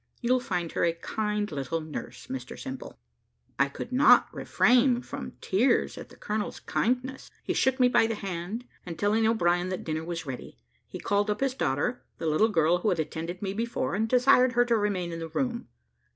You'll find her a kind little nurse, Mr Simple." I could not refrain from tears at the colonel's kindness: he shook me by the hand; and telling O'Brien that dinner was ready, he called up his daughter, the little girl who had attended me before, and desired her to remain in the room.